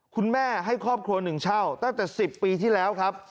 คุณแม่ให้ครอบครัวหนึ่งเช่าตั้งแต่๑๐ปีที่แล้วครับ